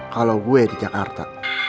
kalau gue di jakarta